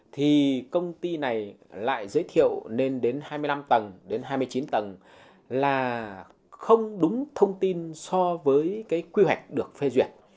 thì công ty này lại giới thiệu lên đến hai mươi năm tầng đến hai mươi chín tầng là không đúng thông tin so với cái quy hoạch được phê duyệt